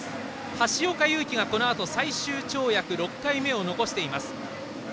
橋岡優輝がこのあと最終跳躍、６回目を残しています。